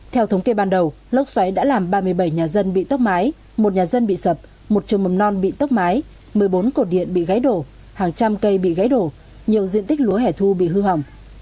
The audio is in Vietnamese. theo thống kê ban đầu lốc xoáy đã làm ba mươi bảy nhà dân bị tốc mái một nhà dân bị sập một trường mầm non bị tốc mái một mươi bốn cột điện bị gãy đổ hàng trăm cây bị gãy đổ nhiều diện tích lúa hẻ thu bị hư hỏng